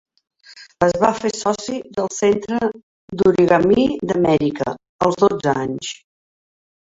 Es va fer soci del Centre d'Origami d'Amèrica als dotze anys.